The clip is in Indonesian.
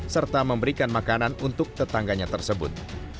serta memberikan makanan untuk tetangganya tersebut